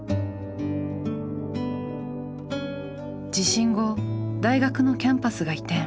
地震後大学のキャンパスが移転。